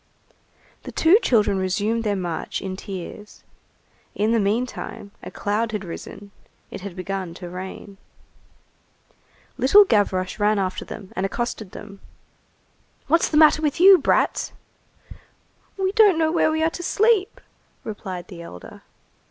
The two children resumed their march in tears. In the meantime, a cloud had risen; it had begun to rain. Little Gavroche ran after them and accosted them:— "What's the matter with you, brats?" "We don't know where we are to sleep," replied the elder.